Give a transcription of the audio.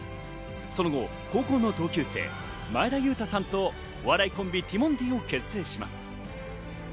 その後、高校の同級生・前田裕太さんと、お笑いコンビ・ティモンディを結成します。